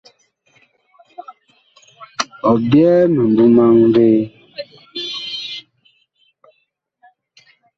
Ɔ byɛɛ mimbu maŋ vee ?